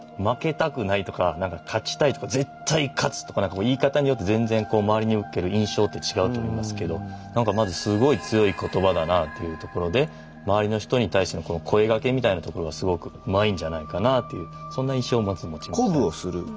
負けたくないとか勝ちたいとか絶対勝つ！とか言い方によって全然周りに受ける印象って違うと思いますけどなんかまずすごい強い言葉だなというところで周りの人に対しての声掛けみたいなところがすごくうまいんじゃないかなっていうそんな印象をまず持ちました。